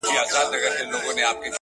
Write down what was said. چي لمن د شپې خورېږي ورځ تېرېږي.